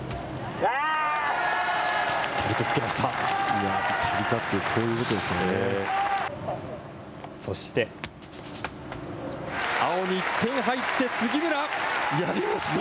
ぴったりとつけました。